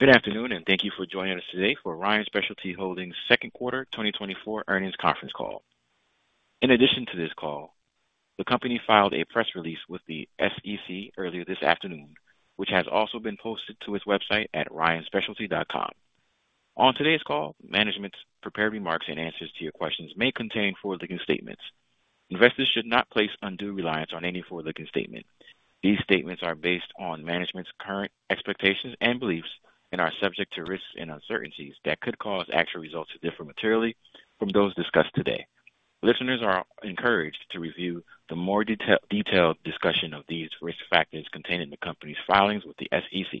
Good afternoon, and thank you for joining us today for Ryan Specialty Holdings's second quarter 2024 earnings conference call. In addition to this call, the company filed a press release with the SEC earlier this afternoon, which has also been posted to its website at ryanspecialty.com. On today's call, management's prepared remarks and answers to your questions may contain forward-looking statements. Investors should not place undue reliance on any forward-looking statement. These statements are based on management's current expectations and beliefs and are subject to risks and uncertainties that could cause actual results to differ materially from those discussed today. Listeners are encouraged to review the more detailed discussion of these risk factors contained in the company's filings with the SEC.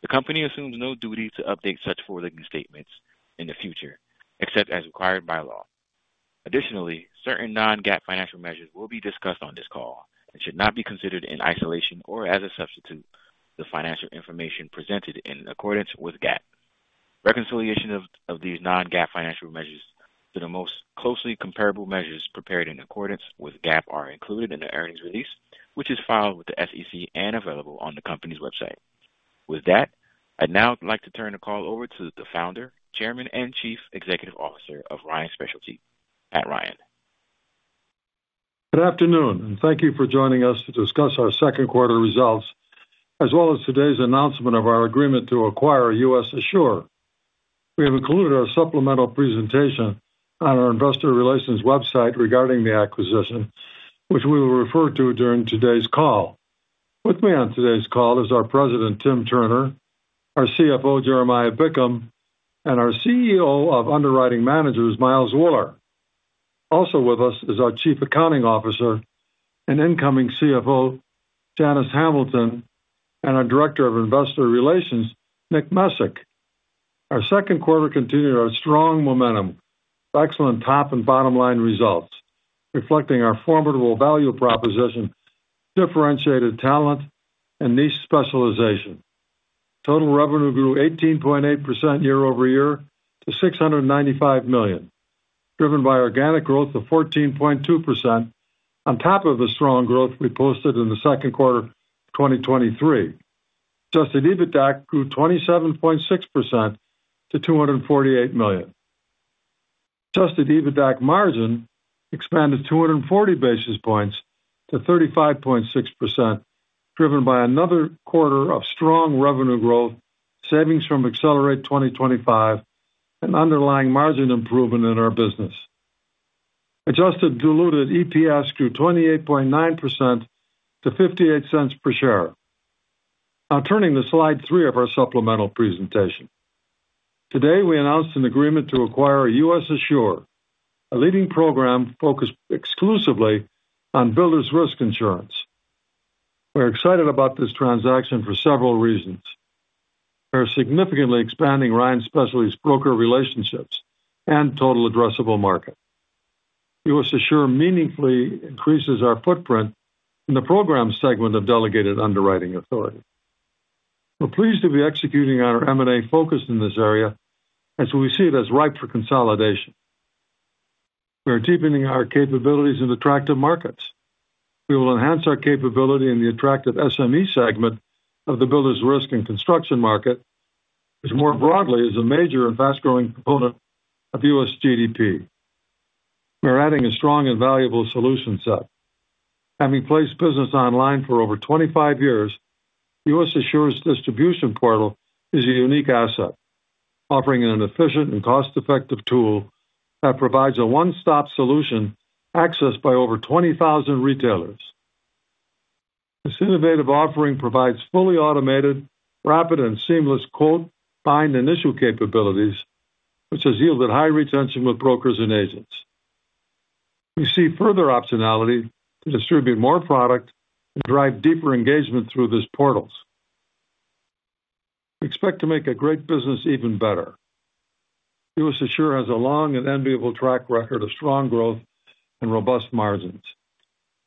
The company assumes no duty to update such forward-looking statements in the future, except as required by law. Additionally, certain non-GAAP financial measures will be discussed on this call and should not be considered in isolation or as a substitute for the financial information presented in accordance with GAAP. Reconciliation of these non-GAAP financial measures to the most closely comparable measures prepared in accordance with GAAP are included in the earnings release, which is filed with the SEC and available on the company's website. With that, I'd now like to turn the call over to the Founder, Chairman, and Chief Executive Officer of Ryan Specialty, Pat Ryan. Good afternoon, and thank you for joining us to discuss our second quarter results, as well as today's announcement of our agreement to acquire U.S. Assure. We have included our supplemental presentation on our investor relations website regarding the acquisition, which we will refer to during today's call. With me on today's call is our President, Tim Turner, our CFO, Jeremiah Bickham, and our CEO of Underwriting Managers, Miles Wuller. Also with us is our Chief Accounting Officer and incoming CFO, Janice Hamilton, and our Director of Investor Relations, Nick Mesick. Our second quarter continued our strong momentum with excellent top and bottom-line results, reflecting our formidable value proposition, differentiated talent, and niche specialization. Total revenue grew 18.8% year-over-year to $695 million, driven by organic growth of 14.2% on top of the strong growth we posted in the second quarter of 2023. Adjusted EBITDA grew 27.6% to $248 million. Adjusted EBITDA margin expanded 240 basis points to 35.6%, driven by another quarter of strong revenue growth, savings from Accelerate 2025, and underlying margin improvement in our business. Adjusted diluted EPS grew 28.9% to $0.58 per share. Now, turning to slide three of our supplemental presentation. Today, we announced an agreement to acquire U.S. Assure, a leading program focused exclusively on builders' risk insurance. We're excited about this transaction for several reasons. We're significantly expanding Ryan Specialty's broker relationships and total addressable market. U.S. Assure meaningfully increases our footprint in the program segment of delegated underwriting authority. We're pleased to be executing on our M&A focus in this area as we see it as ripe for consolidation. We're deepening our capabilities in attractive markets. We will enhance our capability in the attractive SME segment of the builders' risk and construction market, which more broadly is a major and fast-growing component of U.S. GDP. We're adding a strong and valuable solution set. Having placed business online for over 25 years, U.S. Assure's distribution portal is a unique asset, offering an efficient and cost-effective tool that provides a one-stop solution accessed by over 20,000 retailers. This innovative offering provides fully automated, rapid, and seamless quote, bind, and issue capabilities, which has yielded high retention with brokers and agents. We see further optionality to distribute more product and drive deeper engagement through these portals. We expect to make a great business even better. U.S. Assure has a long and enviable track record of strong growth and robust margins,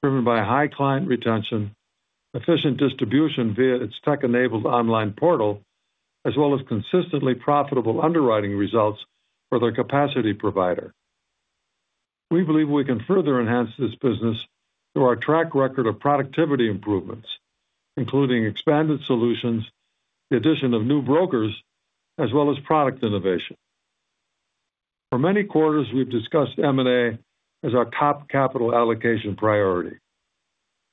driven by high client retention, efficient distribution via its tech-enabled online portal, as well as consistently profitable underwriting results for their capacity provider. We believe we can further enhance this business through our track record of productivity improvements, including expanded solutions, the addition of new brokers, as well as product innovation. For many quarters, we've discussed M&A as our top capital allocation priority.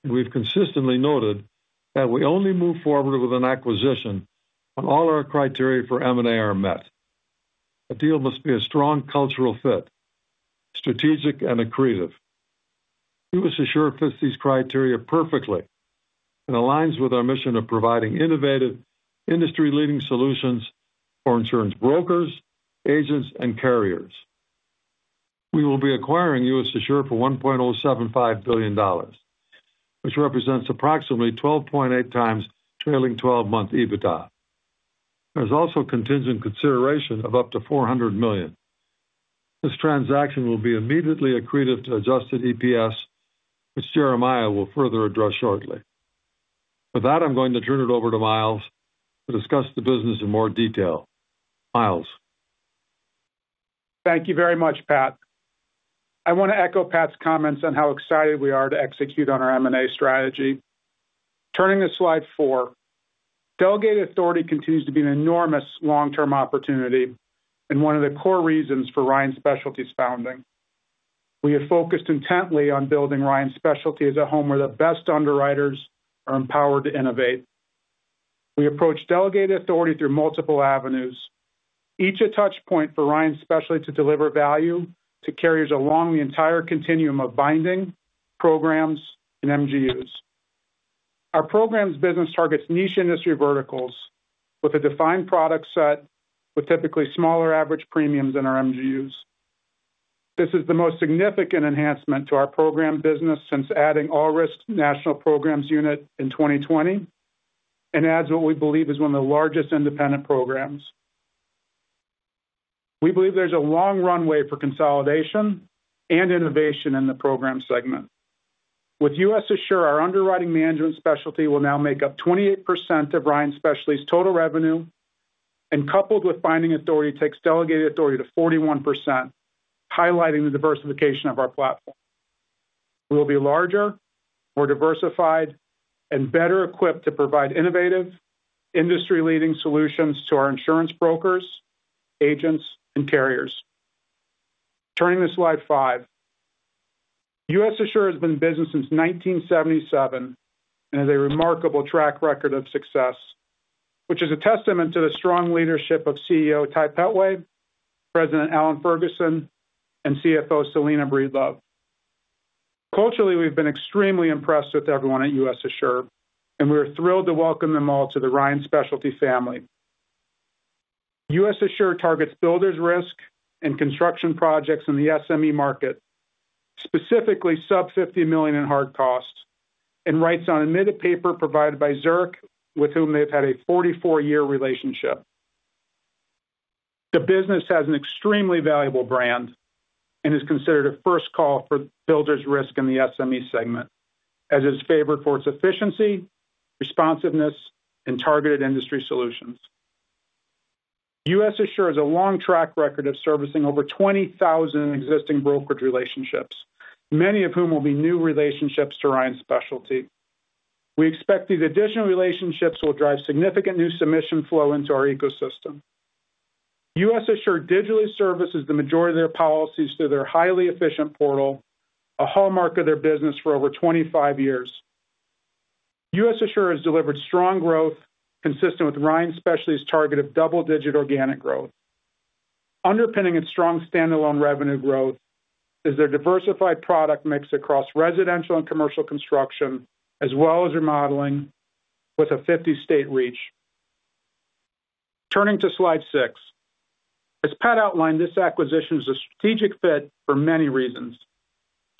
We've consistently noted that we only move forward with an acquisition when all our criteria for M&A are met. A deal must be a strong cultural fit, strategic, and accretive. U.S. Assure fits these criteria perfectly and aligns with our mission of providing innovative, industry-leading solutions for insurance brokers, agents, and carriers. We will be acquiring U.S. Assure for $1.075 billion, which represents approximately 12.8x trailing 12-month EBITDA. There's also contingent consideration of up to $400 million. This transaction will be immediately accretive to adjusted EPS, which Jeremiah will further address shortly. With that, I'm going to turn it over to Miles to discuss the business in more detail. Miles. Thank you very much, Pat. I want to echo Pat's comments on how excited we are to execute on our M&A strategy. Turning to slide four, delegated authority continues to be an enormous long-term opportunity and one of the core reasons for Ryan Specialty's founding. We have focused intently on building Ryan Specialty as a home where the best underwriters are empowered to innovate. We approach delegated authority through multiple avenues, each a touchpoint for Ryan Specialty to deliver value to carriers along the entire continuum of binding, programs, and MGUs. Our program's business targets niche industry verticals with a defined product set with typically smaller average premiums in our MGUs. This is the most significant enhancement to our program business since adding All Risks National Programs Unit in 2020 and adds what we believe is one of the largest independent programs. We believe there's a long runway for consolidation and innovation in the program segment. With U.S. Assure, our underwriting management specialty will now make up 28% of Ryan Specialty's total revenue, and coupled with binding authority, it takes delegated authority to 41%, highlighting the diversification of our platform. We will be larger, more diversified, and better equipped to provide innovative, industry-leading solutions to our insurance brokers, agents, and carriers. Turning to slide five, U.S. Assure has been in business since 1977 and has a remarkable track record of success, which is a testament to the strong leadership of CEO Ty Petway, President Alan Ferguson, and CFO Selena Breedlove. Culturally, we've been extremely impressed with everyone at U.S. Assure, and we are thrilled to welcome them all to the Ryan Specialty family. U.S. Assure targets builders' risk and construction projects in the SME market, specifically sub-$50 million in hard cost, and writes on a NIDA paper provided by Zurich, with whom they've had a 44-year relationship. The business has an extremely valuable brand and is considered a first call for builders' risk in the SME segment as it's favored for its efficiency, responsiveness, and targeted industry solutions. U.S. Assure has a long track record of servicing over 20,000 existing brokerage relationships, many of whom will be new relationships to Ryan Specialty. We expect these additional relationships will drive significant new submission flow into our ecosystem. U.S. Assure digitally services the majority of their policies through their highly efficient portal, a hallmark of their business for over 25 years. U.S. Assure has delivered strong growth consistent with Ryan Specialty's target of double-digit organic growth. Underpinning its strong standalone revenue growth is their diversified product mix across residential and commercial construction, as well as remodeling, with a 50-state reach. Turning to slide six, as Pat outlined, this acquisition is a strategic fit for many reasons.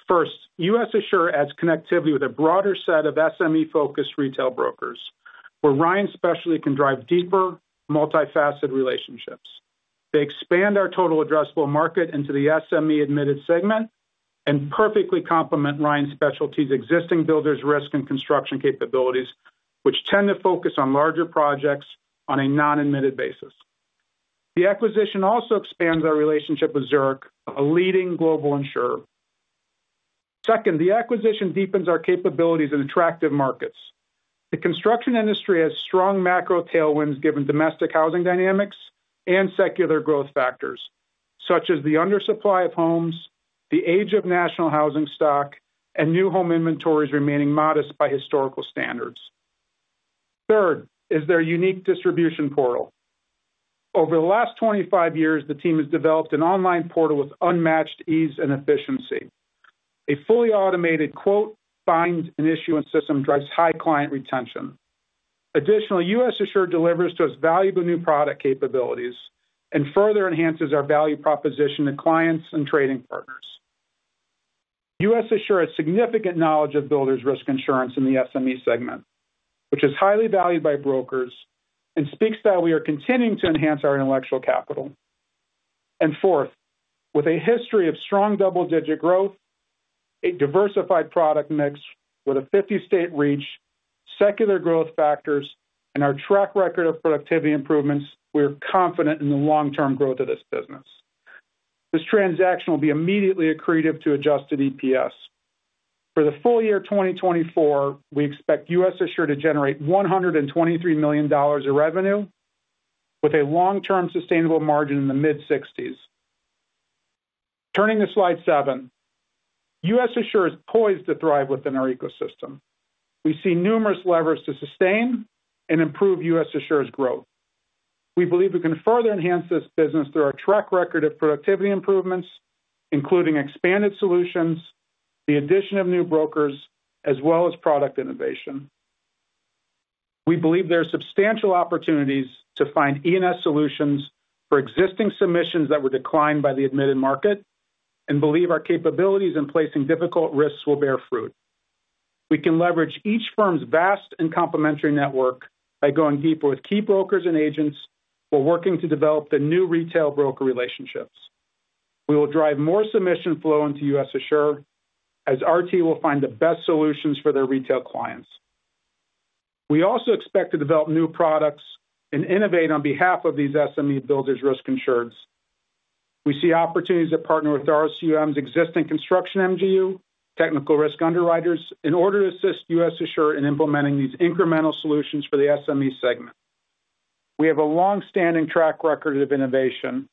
First, U.S. Assure adds connectivity with a broader set of SME-focused retail brokers, where Ryan Specialty can drive deeper, multifaceted relationships. They expand our total addressable market into the SME-admitted segment and perfectly complement Ryan Specialty's existing builders’ risk and construction capabilities, which tend to focus on larger projects on a non-admitted basis. The acquisition also expands our relationship with Zurich, a leading global insurer. Second, the acquisition deepens our capabilities in attractive markets. The construction industry has strong macro tailwinds given domestic housing dynamics and secular growth factors, such as the undersupply of homes, the age of national housing stock, and new home inventories remaining modest by historical standards. Third is their unique distribution portal. Over the last 25 years, the team has developed an online portal with unmatched ease and efficiency. A fully automated quote, bind, and issue system drives high client retention. Additionally, U.S. Assure delivers to us valuable new product capabilities and further enhances our value proposition to clients and trading partners. U.S. Assure has significant knowledge of builders' risk insurance in the SME segment, which is highly valued by brokers and speaks that we are continuing to enhance our intellectual capital. And fourth, with a history of strong double-digit growth, a diversified product mix with a 50-state reach, secular growth factors, and our track record of productivity improvements, we are confident in the long-term growth of this business. This transaction will be immediately accretive to adjusted EPS. For the full year 2024, we expect U.S. Assure to generate $123 million in revenue with a long-term sustainable margin in the mid-60s%. Turning to slide seven, U.S. Assure is poised to thrive within our ecosystem. We see numerous levers to sustain and improve U.S. Assure's growth. We believe we can further enhance this business through our track record of productivity improvements, including expanded solutions, the addition of new brokers, as well as product innovation. We believe there are substantial opportunities to find E&S solutions for existing submissions that were declined by the admitted market and believe our capabilities in placing difficult risks will bear fruit. We can leverage each firm's vast and complementary network by going deeper with key brokers and agents while working to develop the new retail broker relationships. We will drive more submission flow into U.S. Assure as RT will find the best solutions for their retail clients. We also expect to develop new products and innovate on behalf of these SME builders’ risk insureds. We see opportunities to partner with RSUM's existing construction MGU, Technical Risk Underwriters, in order to assist U.S. Assure in implementing these incremental solutions for the SME segment. We have a long-standing track record of innovation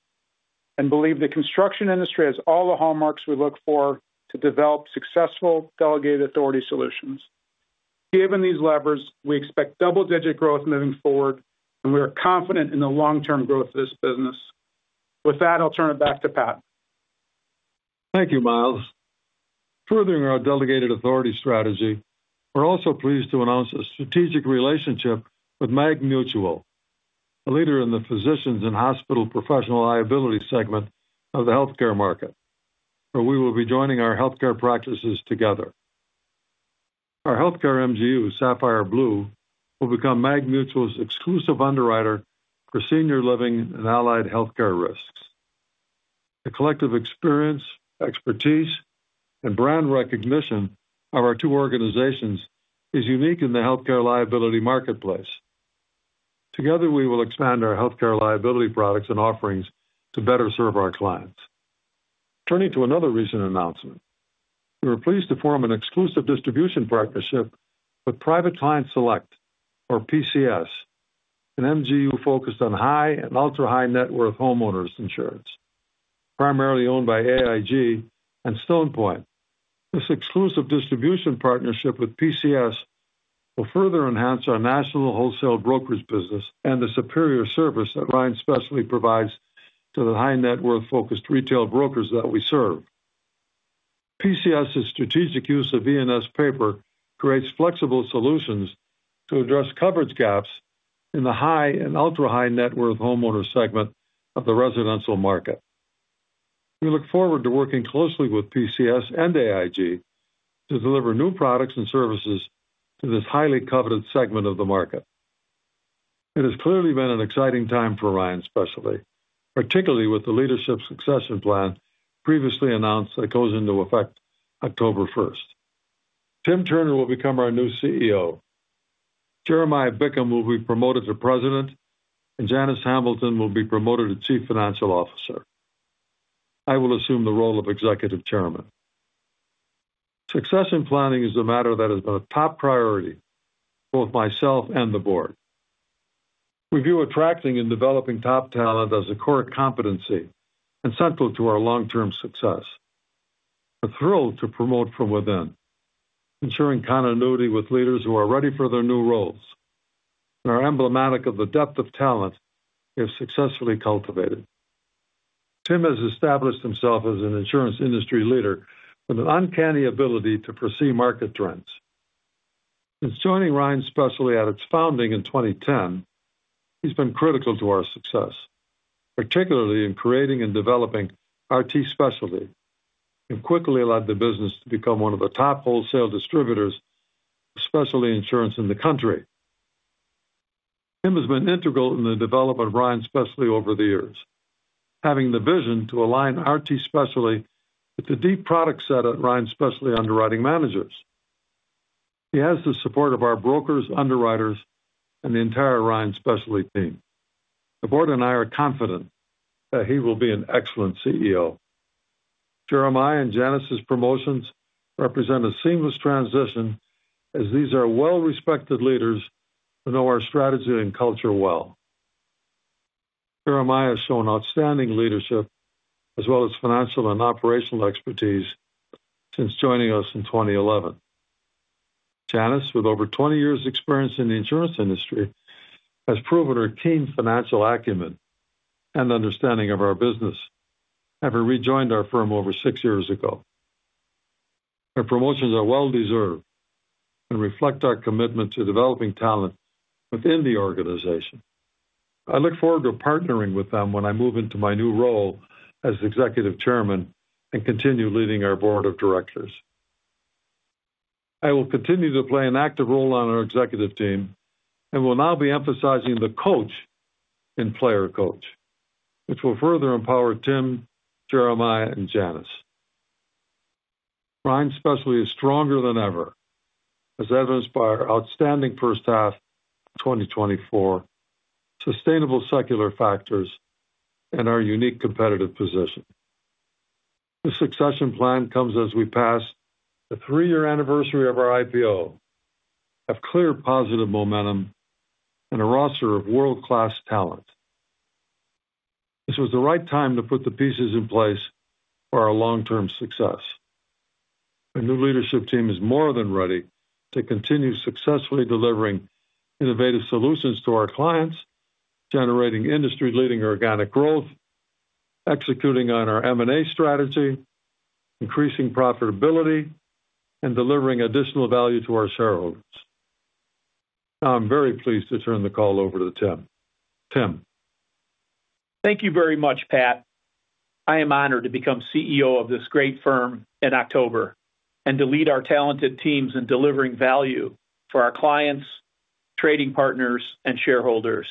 and believe the construction industry has all the hallmarks we look for to develop successful delegated authority solutions. Given these levers, we expect double-digit growth moving forward, and we are confident in the long-term growth of this business. With that, I'll turn it back to Pat. Thank you, Miles. Furthering our delegated authority strategy, we're also pleased to announce a strategic relationship with MagMutual, a leader in the physicians and hospital professional liability segment of the healthcare market, where we will be joining our healthcare practices together. Our healthcare MGU, Sapphire Blue, will become MagMutual's exclusive underwriter for senior living and allied healthcare risks. The collective experience, expertise, and brand recognition of our two organizations is unique in the healthcare liability marketplace. Together, we will expand our healthcare liability products and offerings to better serve our clients. Turning to another recent announcement, we were pleased to form an exclusive distribution partnership with Private Client Select, or PCS, an MGU focused on high and ultra-high net worth homeowners insurance, primarily owned by AIG and Stone Point. This exclusive distribution partnership with PCS will further enhance our national wholesale brokerage business and the superior service that Ryan Specialty provides to the high-net-worth focused retail brokers that we serve. PCS's strategic use of E&S paper creates flexible solutions to address coverage gaps in the high and ultra-high net worth homeowner segment of the residential market. We look forward to working closely with PCS and AIG to deliver new products and services to this highly coveted segment of the market. It has clearly been an exciting time for Ryan Specialty, particularly with the leadership succession plan previously announced that goes into effect October 1st. Tim Turner will become our new CEO. Jeremiah Bickham will be promoted to President, and Janice Hamilton will be promoted to Chief Financial Officer. I will assume the role of Executive Chairman. Succession planning is a matter that has been a top priority for both myself and the board. We view attracting and developing top talent as a core competency and central to our long-term success. We're thrilled to promote from within, ensuring continuity with leaders who are ready for their new roles. They are emblematic of the depth of talent if successfully cultivated. Tim has established himself as an insurance industry leader with an uncanny ability to foresee market trends. Since joining Ryan Specialty at its founding in 2010, he's been critical to our success, particularly in creating and developing RT Specialty, and quickly led the business to become one of the top wholesale distributors of specialty insurance in the country. Tim has been integral in the development of Ryan Specialty over the years, having the vision to align RT Specialty with the deep product set at Ryan Specialty Underwriting Managers. He has the support of our brokers, underwriters, and the entire Ryan Specialty team. The board and I are confident that he will be an excellent CEO. Jeremiah and Janice's promotions represent a seamless transition as these are well-respected leaders who know our strategy and culture well. Jeremiah has shown outstanding leadership as well as financial and operational expertise since joining us in 2011. Janice, with over 20 years' experience in the insurance industry, has proven her keen financial acumen and understanding of our business, having rejoined our firm over six years ago. Her promotions are well-deserved and reflect our commitment to developing talent within the organization. I look forward to partnering with them when I move into my new role as Executive Chairman and continue leading our Board of Directors. I will continue to play an active role on our executive team and will now be emphasizing the coach and player coach, which will further empower Tim, Jeremiah, and Janice. Ryan Specialty is stronger than ever, as evidenced by our outstanding first half of 2024, sustainable secular factors, and our unique competitive position. This succession plan comes as we pass the three-year anniversary of our IPO, have clear positive momentum, and a roster of world-class talent. This was the right time to put the pieces in place for our long-term success. Our new leadership team is more than ready to continue successfully delivering innovative solutions to our clients, generating industry-leading organic growth, executing on our M&A strategy, increasing profitability, and delivering additional value to our shareholders. Now, I'm very pleased to turn the call over to Tim. Tim. Thank you very much, Pat. I am honored to become CEO of this great firm in October and to lead our talented teams in delivering value for our clients, trading partners, and shareholders.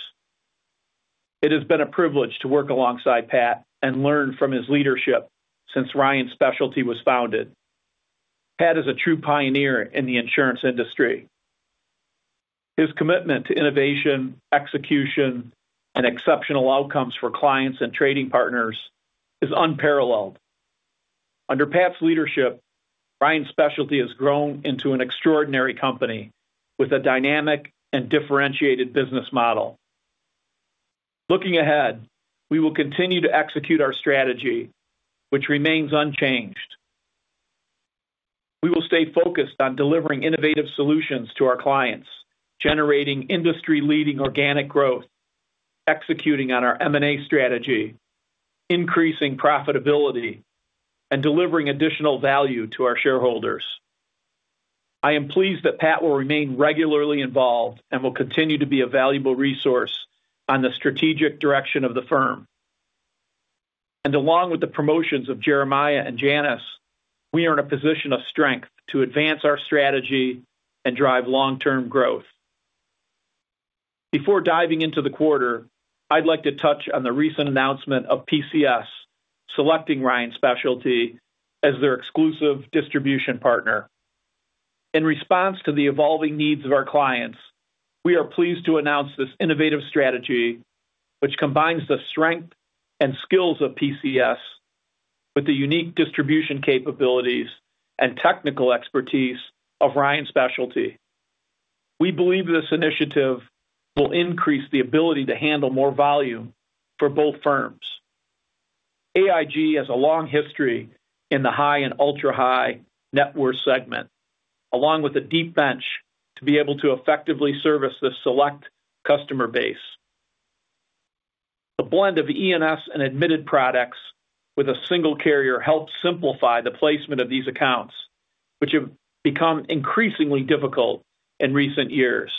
It has been a privilege to work alongside Pat and learn from his leadership since Ryan Specialty was founded. Pat is a true pioneer in the insurance industry. His commitment to innovation, execution, and exceptional outcomes for clients and trading partners is unparalleled. Under Pat's leadership, Ryan Specialty has grown into an extraordinary company with a dynamic and differentiated business model. Looking ahead, we will continue to execute our strategy, which remains unchanged. We will stay focused on delivering innovative solutions to our clients, generating industry-leading organic growth, executing on our M&A strategy, increasing profitability, and delivering additional value to our shareholders. I am pleased that Pat will remain regularly involved and will continue to be a valuable resource on the strategic direction of the firm. Along with the promotions of Jeremiah and Janice, we are in a position of strength to advance our strategy and drive long-term growth. Before diving into the quarter, I'd like to touch on the recent announcement of PCS selecting Ryan Specialty as their exclusive distribution partner. In response to the evolving needs of our clients, we are pleased to announce this innovative strategy, which combines the strength and skills of PCS with the unique distribution capabilities and technical expertise of Ryan Specialty. We believe this initiative will increase the ability to handle more volume for both firms. AIG has a long history in the high and ultra-high net worth segment, along with a deep bench to be able to effectively service the select customer base. The blend of E&S and admitted products with a single carrier helps simplify the placement of these accounts, which have become increasingly difficult in recent years.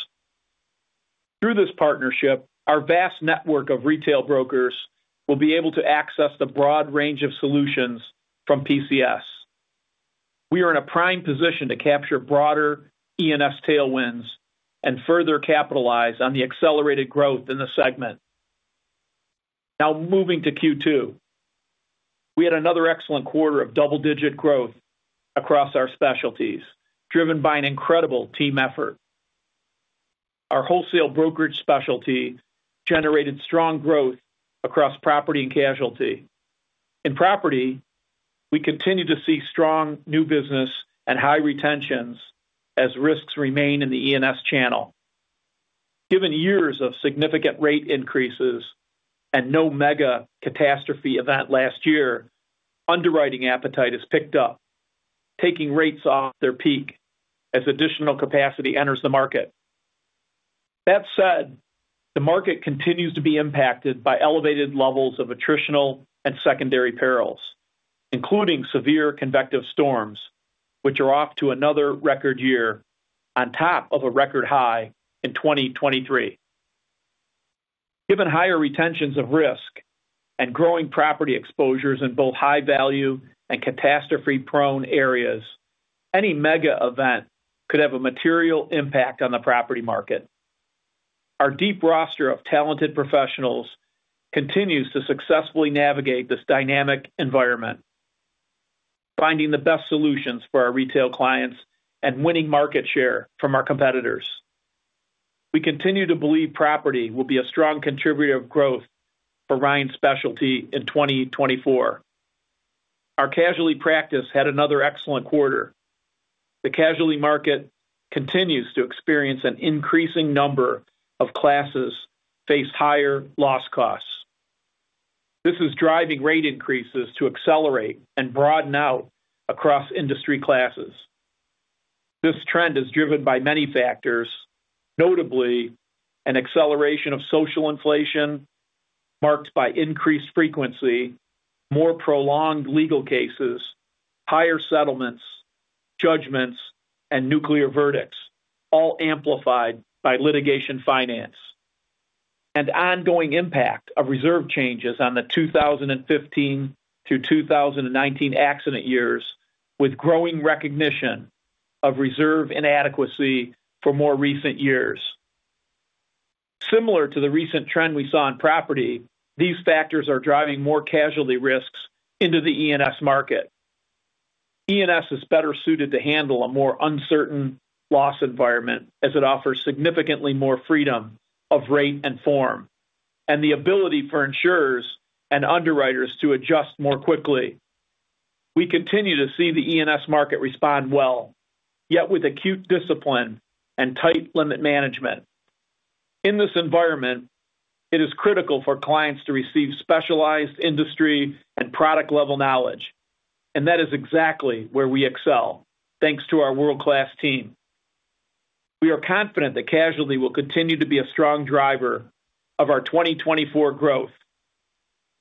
Through this partnership, our vast network of retail brokers will be able to access the broad range of solutions from PCS. We are in a prime position to capture broader E&S tailwinds and further capitalize on the accelerated growth in the segment. Now, moving to Q2, we had another excellent quarter of double-digit growth across our specialties, driven by an incredible team effort. Our wholesale brokerage specialty generated strong growth across property and casualty. In property, we continue to see strong new business and high retentions as risks remain in the E&S channel. Given years of significant rate increases and no mega catastrophe event last year, underwriting appetite has picked up, taking rates off their peak as additional capacity enters the market. That said, the market continues to be impacted by elevated levels of attritional and secondary perils, including severe convective storms, which are off to another record year on top of a record high in 2023. Given higher retentions of risk and growing property exposures in both high-value and catastrophe-prone areas, any mega event could have a material impact on the property market. Our deep roster of talented professionals continues to successfully navigate this dynamic environment, finding the best solutions for our retail clients and winning market share from our competitors. We continue to believe property will be a strong contributor of growth for Ryan Specialty in 2024. Our casualty practice had another excellent quarter. The casualty market continues to experience an increasing number of classes face higher loss costs. This is driving rate increases to accelerate and broaden out across industry classes. This trend is driven by many factors, notably an acceleration of social inflation marked by increased frequency, more prolonged legal cases, higher settlements, judgments, and nuclear verdicts, all amplified by litigation finance, and ongoing impact of reserve changes on the 2015-2019 accident years with growing recognition of reserve inadequacy for more recent years. Similar to the recent trend we saw in property, these factors are driving more casualty risks into the E&S market. E&S is better suited to handle a more uncertain loss environment as it offers significantly more freedom of rate and form and the ability for insurers and underwriters to adjust more quickly. We continue to see the E&S market respond well, yet with acute discipline and tight limit management. In this environment, it is critical for clients to receive specialized industry and product-level knowledge, and that is exactly where we excel, thanks to our world-class team. We are confident that casualty will continue to be a strong driver of our 2024 growth.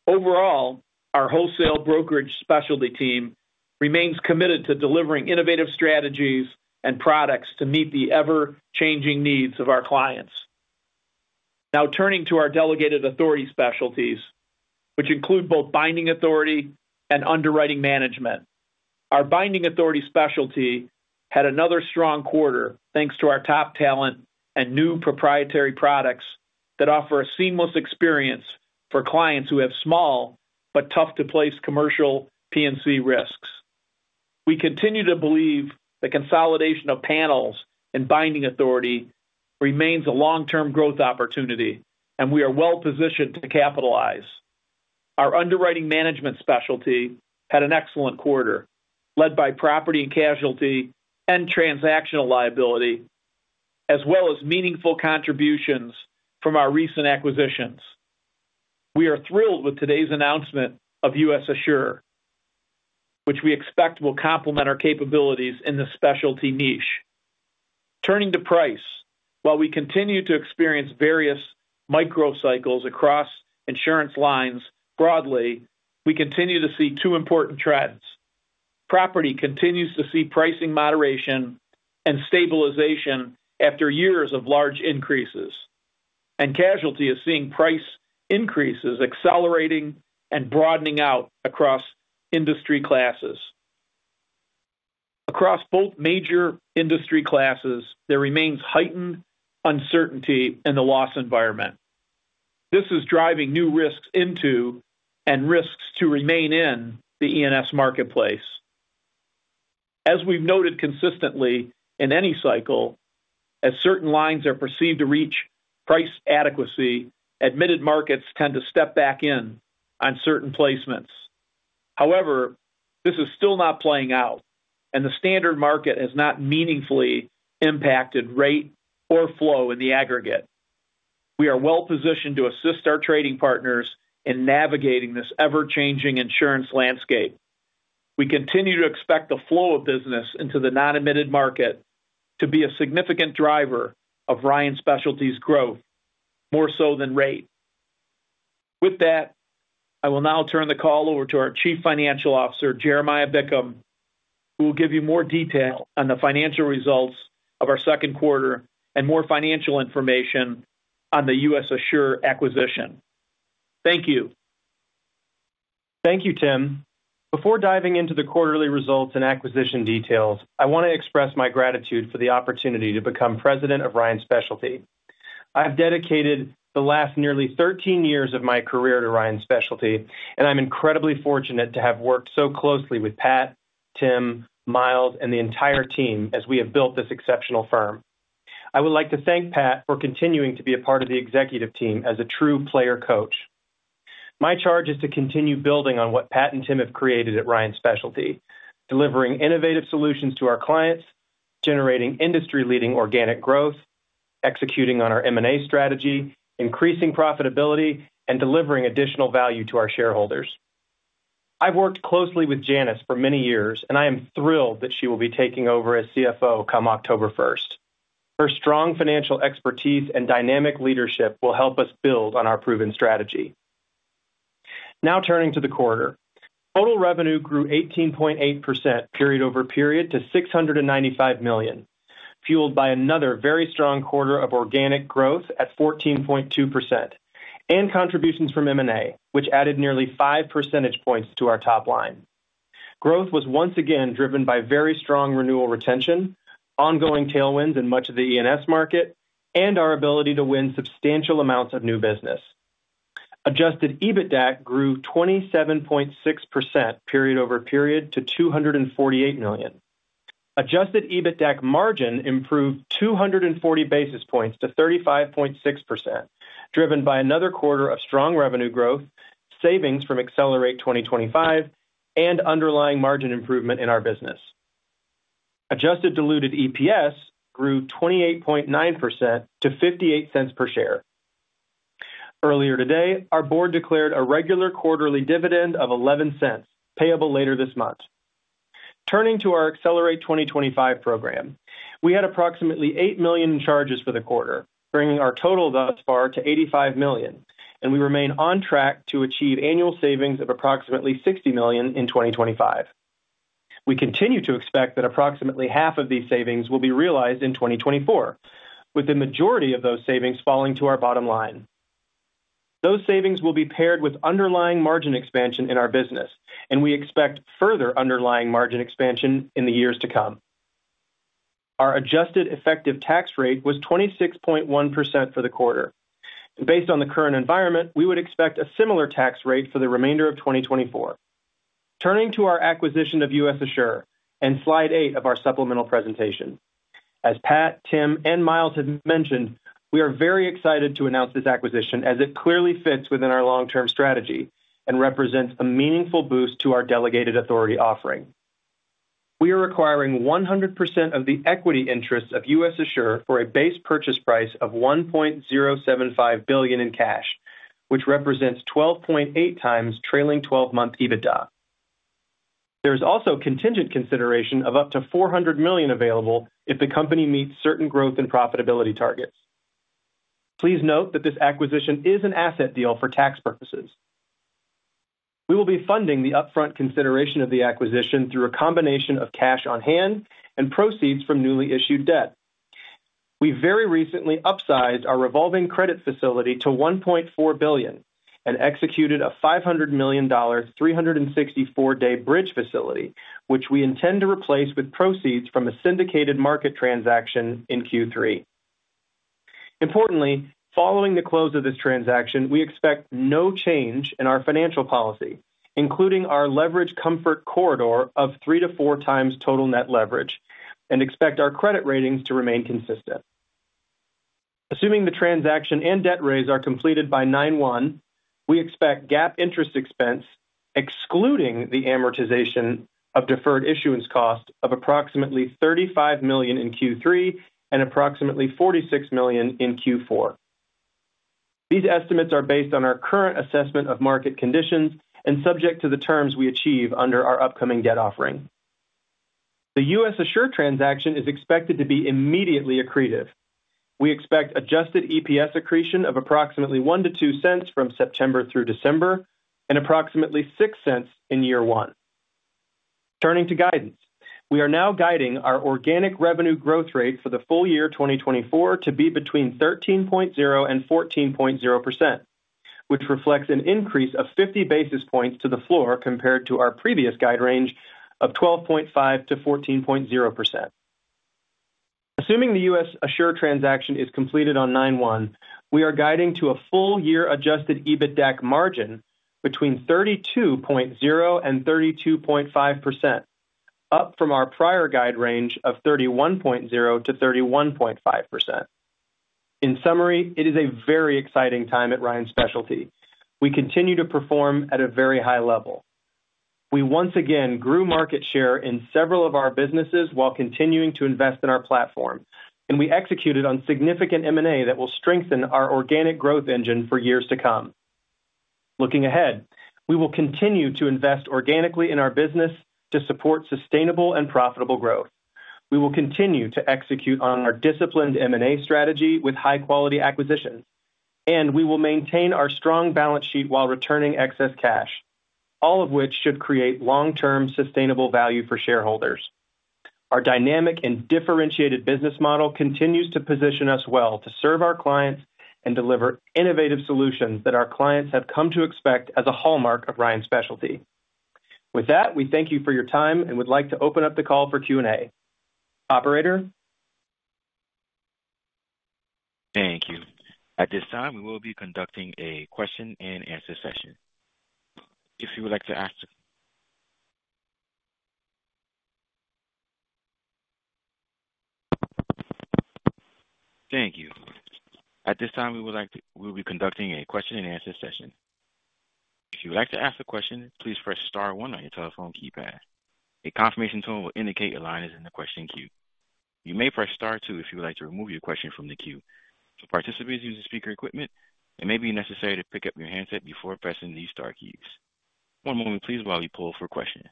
Overall, our wholesale brokerage specialty team remains committed to delivering innovative strategies and products to meet the ever-changing needs of our clients. Now, turning to our delegated authority specialties, which include both binding authority and underwriting management. Our binding authority specialty had another strong quarter thanks to our top talent and new proprietary products that offer a seamless experience for clients who have small but tough-to-place commercial P&C risks. We continue to believe the consolidation of panels and binding authority remains a long-term growth opportunity, and we are well-positioned to capitalize. Our underwriting management specialty had an excellent quarter led by property and casualty and Transactional Liability, as well as meaningful contributions from our recent acquisitions. We are thrilled with today's announcement of U.S. Assure, which we expect will complement our capabilities in the specialty niche. Turning to price, while we continue to experience various microcycles across insurance lines broadly, we continue to see two important trends. Property continues to see pricing moderation and stabilization after years of large increases, and casualty is seeing price increases accelerating and broadening out across industry classes. Across both major industry classes, there remains heightened uncertainty in the loss environment. This is driving new risks into and risks to remain in the E&S marketplace. As we've noted consistently in any cycle, as certain lines are perceived to reach price adequacy, admitted markets tend to step back in on certain placements. However, this is still not playing out, and the standard market has not meaningfully impacted rate or flow in the aggregate. We are well-positioned to assist our trading partners in navigating this ever-changing insurance landscape. We continue to expect the flow of business into the non-admitted market to be a significant driver of Ryan Specialty's growth, more so than rate. With that, I will now turn the call over to our Chief Financial Officer, Jeremiah Bickham, who will give you more detail on the financial results of our second quarter and more financial information on the U.S. Assure acquisition. Thank you. Thank you, Tim. Before diving into the quarterly results and acquisition details, I want to express my gratitude for the opportunity to become president of Ryan Specialty. I have dedicated the last nearly 13 years of my career to Ryan Specialty, and I'm incredibly fortunate to have worked so closely with Pat, Tim, Miles, and the entire team as we have built this exceptional firm. I would like to thank Pat for continuing to be a part of the executive team as a true player coach. My charge is to continue building on what Pat and Tim have created at Ryan Specialty, delivering innovative solutions to our clients, generating industry-leading organic growth, executing on our M&A strategy, increasing profitability, and delivering additional value to our shareholders. I've worked closely with Janice for many years, and I am thrilled that she will be taking over as CFO come October 1st. Her strong financial expertise and dynamic leadership will help us build on our proven strategy. Now, turning to the quarter, total revenue grew 18.8% period over period to $695 million, fueled by another very strong quarter of organic growth at 14.2% and contributions from M&A, which added nearly five percentage points to our top line. Growth was once again driven by very strong renewal retention, ongoing tailwinds in much of the E&S market, and our ability to win substantial amounts of new business. Adjusted EBITDA grew 27.6% period over period to $248 million. Adjusted EBITDA margin improved 240 basis points to 35.6%, driven by another quarter of strong revenue growth, savings from Accelerate 2025, and underlying margin improvement in our business. Adjusted diluted EPS grew 28.9% to $0.58 per share. Earlier today, our board declared a regular quarterly dividend of $0.11, payable later this month. Turning to our Accelerate 2025 program, we had approximately $8 million in charges for the quarter, bringing our total thus far to $85 million, and we remain on track to achieve annual savings of approximately $60 million in 2025. We continue to expect that approximately half of these savings will be realized in 2024, with the majority of those savings falling to our bottom line. Those savings will be paired with underlying margin expansion in our business, and we expect further underlying margin expansion in the years to come. Our adjusted effective tax rate was 26.1% for the quarter. Based on the current environment, we would expect a similar tax rate for the remainder of 2024. Turning to our acquisition of U.S. Assure and slide eight of our supplemental presentation. As Pat, Tim, and Miles had mentioned, we are very excited to announce this acquisition as it clearly fits within our long-term strategy and represents a meaningful boost to our delegated authority offering. We are acquiring 100% of the equity interests of U.S. Assure for a base purchase price of $1.075 billion in cash, which represents 12.8x trailing 12-month EBITDA. There is also contingent consideration of up to $400 million available if the company meets certain growth and profitability targets. Please note that this acquisition is an asset deal for tax purposes. We will be funding the upfront consideration of the acquisition through a combination of cash on hand and proceeds from newly issued debt. We very recently upsized our revolving credit facility to $1.4 billion and executed a $500 million 364-day bridge facility, which we intend to replace with proceeds from a syndicated market transaction in Q3. Importantly, following the close of this transaction, we expect no change in our financial policy, including our leverage comfort corridor of 3-4x total net leverage, and expect our credit ratings to remain consistent. Assuming the transaction and debt raise are completed by 9/1, we expect GAAP interest expense, excluding the amortization of deferred issuance cost, of approximately $35 million in Q3 and approximately $46 million in Q4. These estimates are based on our current assessment of market conditions and subject to the terms we achieve under our upcoming debt offering. The U.S. Assure transaction is expected to be immediately accretive. We expect adjusted EPS accretion of approximately $0.01-$0.02 from September through December and approximately $0.06 in year one. Turning to guidance, we are now guiding our organic revenue growth rate for the full year 2024 to be between 13.0% and 14.0%, which reflects an increase of 50 basis points to the floor compared to our previous guide range of 12.5%-14.0%. Assuming the U.S. Assure transaction is completed on 9/1/2024, we are guiding to a full-year Adjusted EBITDA margin between 32.0% and 32.5%, up from our prior guide range of 31.0%-31.5%. In summary, it is a very exciting time at Ryan Specialty. We continue to perform at a very high level. We once again grew market share in several of our businesses while continuing to invest in our platform, and we executed on significant M&A that will strengthen our organic growth engine for years to come. Looking ahead, we will continue to invest organically in our business to support sustainable and profitable growth. We will continue to execute on our disciplined M&A strategy with high-quality acquisitions, and we will maintain our strong balance sheet while returning excess cash, all of which should create long-term sustainable value for shareholders. Our dynamic and differentiated business model continues to position us well to serve our clients and deliver innovative solutions that our clients have come to expect as a hallmark of Ryan Specialty. With that, we thank you for your time and would like to open up the call for Q&A. Operator? Thank you. At this time, we will be conducting a question-and-answer session. If you would like to ask. Thank you. At this time, we will be conducting a question-and-answer session. If you would like to ask a question, please press Star one on your telephone keypad. A confirmation tone will indicate your line is in the question queue. You may press Star two if you would like to remove your question from the queue. For participants using speaker equipment, it may be necessary to pick up your handset before pressing these star keys. One moment, please, while we pull for questions.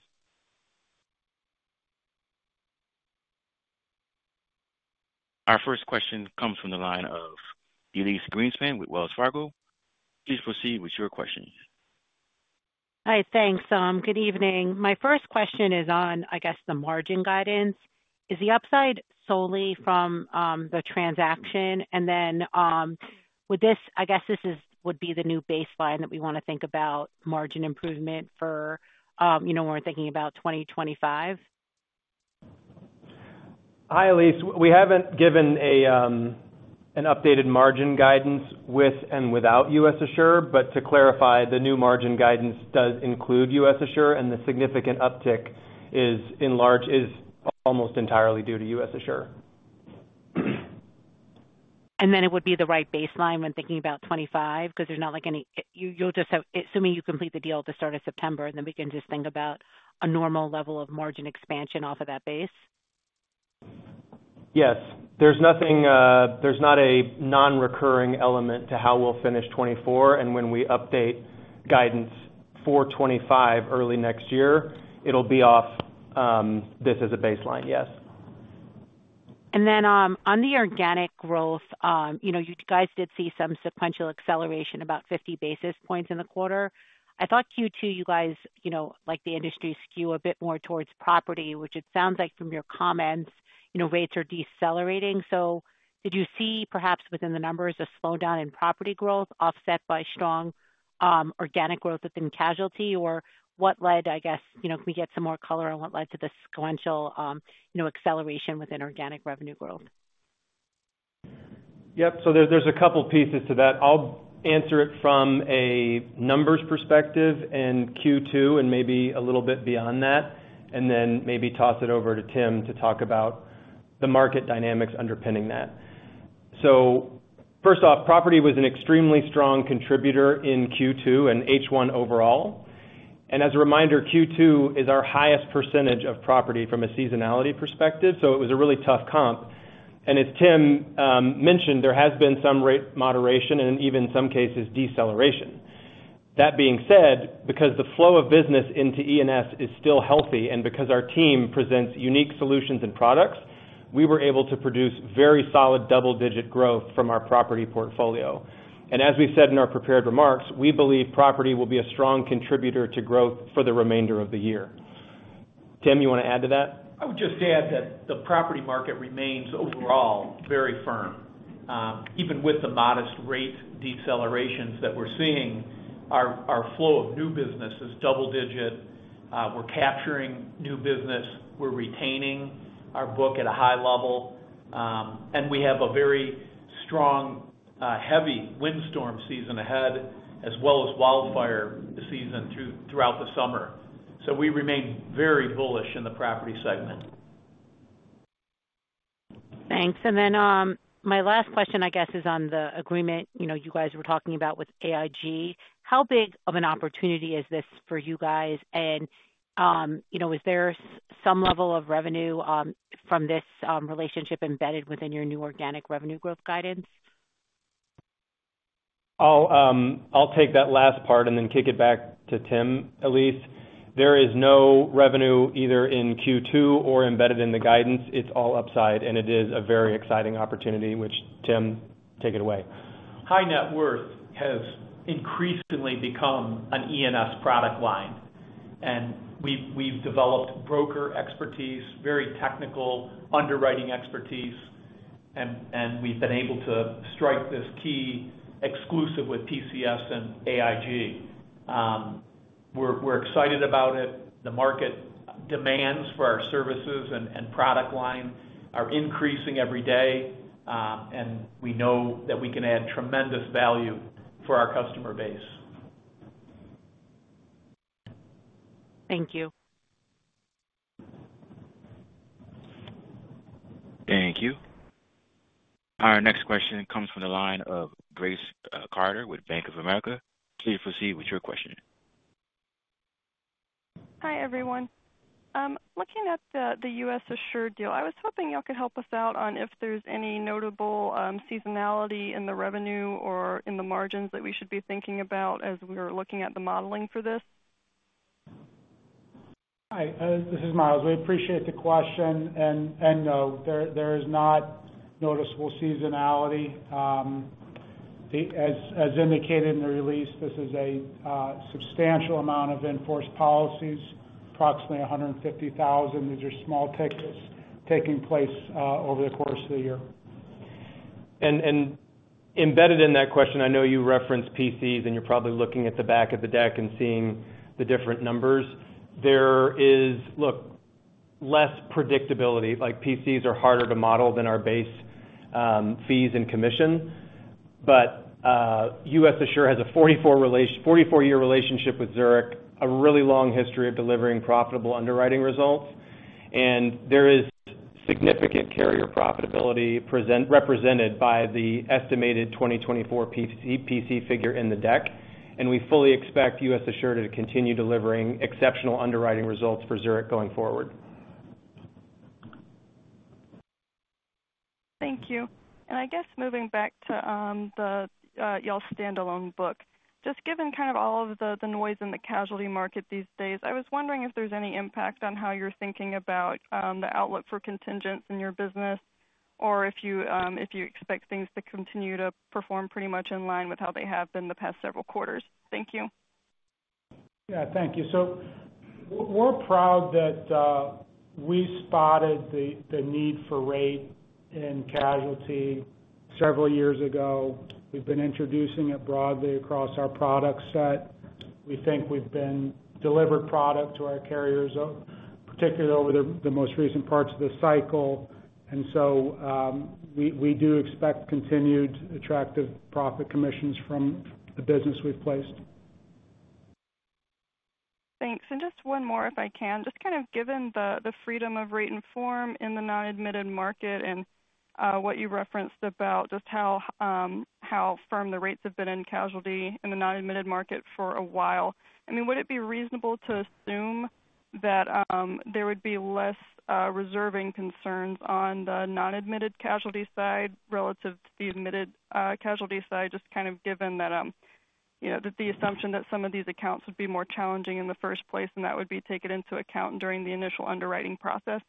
Our first question comes from the line of Elise Greenspan with Wells Fargo. Please proceed with your questions. Hi, thanks, Tom. Good evening. My first question is on, I guess, the margin guidance. Is the upside solely from the transaction? And then would this, I guess, this would be the new baseline that we want to think about margin improvement for when we're thinking about 2025? Hi, Elise. We haven't given an updated margin guidance with and without US Assure, but to clarify, the new margin guidance does include U.S. Assure, and the significant uptick is in large part almost entirely due to U.S. Assure. And then it would be the right baseline when thinking about 2025 because there's not any, assuming you complete the deal at the start of September, and then we can just think about a normal level of margin expansion off of that base? Yes. There's not a non-recurring element to how we'll finish 2024, and when we update guidance for 2025 early next year, it'll be off this as a baseline, yes. Then on the organic growth, you guys did see some sequential acceleration, about 50 basis points in the quarter. I thought Q2 you guys liked the industry skew a bit more towards property, which it sounds like from your comments, rates are decelerating. So did you see perhaps within the numbers a slowdown in property growth offset by strong organic growth within casualty? Or what led, I guess, can we get some more color on what led to the sequential acceleration within organic revenue growth? Yep. So there's a couple of pieces to that. I'll answer it from a numbers perspective in Q2 and maybe a little bit beyond that, and then maybe toss it over to Tim to talk about the market dynamics underpinning that. So first off, property was an extremely strong contributor in Q2 and H1 overall. And as a reminder, Q2 is our highest percentage of property from a seasonality perspective, so it was a really tough comp. And as Tim mentioned, there has been some rate moderation and even in some cases deceleration. That being said, because the flow of business into E&S is still healthy and because our team presents unique solutions and products, we were able to produce very solid double-digit growth from our property portfolio. As we said in our prepared remarks, we believe property will be a strong contributor to growth for the remainder of the year. Tim, you want to add to that? I would just add that the property market remains overall very firm. Even with the modest rate decelerations that we're seeing, our flow of new business is double-digit. We're capturing new business. We're retaining our book at a high level. And we have a very strong, heavy windstorm season ahead, as well as wildfire season throughout the summer. So we remain very bullish in the property segment. Thanks. And then my last question, I guess, is on the agreement you guys were talking about with AIG. How big of an opportunity is this for you guys? And is there some level of revenue from this relationship embedded within your new organic revenue growth guidance? I'll take that last part and then kick it back to Tim, Elise. There is no revenue either in Q2 or embedded in the guidance. It's all upside, and it is a very exciting opportunity, which Tim, take it away. High net worth has increasingly become an E&S product line. We've developed broker expertise, very technical underwriting expertise, and we've been able to strike this key exclusive with PCS and AIG. We're excited about it. The market demands for our services and product line are increasing every day, and we know that we can add tremendous value for our customer base. Thank you. Thank you. Our next question comes from the line of Grace Carter with Bank of America. Please proceed with your question. Hi, everyone. Looking at the U.S. Assure deal, I was hoping y'all could help us out on if there's any notable seasonality in the revenue or in the margins that we should be thinking about as we were looking at the modeling for this. Hi. This is Miles. We appreciate the question. No, there is not noticeable seasonality. As indicated in the release, this is a substantial amount of enforced policies, approximately 150,000. These are small tickets taking place over the course of the year. Embedded in that question, I know you referenced PCs, and you're probably looking at the back of the deck and seeing the different numbers. There is, look, less predictability. PCs are harder to model than our base fees and commission. But U.S. Assure has a 44-year relationship with Zurich, a really long history of delivering profitable underwriting results. And there is significant carrier profitability represented by the estimated 2024 PC figure in the deck. And we fully expect U.S. Assure to continue delivering exceptional underwriting results for Zurich going forward. Thank you. I guess moving back to y'all's standalone book, just given kind of all of the noise in the casualty market these days, I was wondering if there's any impact on how you're thinking about the outlook for contingents in your business or if you expect things to continue to perform pretty much in line with how they have been the past several quarters? Thank you. Yeah. Thank you. So we're proud that we spotted the need for rate in casualty several years ago. We've been introducing it broadly across our product set. We think we've been delivering product to our carriers, particularly over the most recent parts of the cycle. And so we do expect continued attractive profit commissions from the business we've placed. Thanks. And just one more, if I can. Just kind of given the freedom of rate and form in the non-admitted market and what you referenced about just how firm the rates have been in casualty in the non-admitted market for a while, I mean, would it be reasonable to assume that there would be less reserving concerns on the non-admitted casualty side relative to the admitted casualty side, just kind of given that the assumption that some of these accounts would be more challenging in the first place and that would be taken into account during the initial underwriting process?